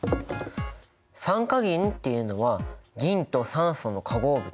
酸化銀っていうのは銀と酸素の化合物。